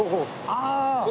ああ！